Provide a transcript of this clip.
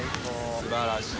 素晴らしい。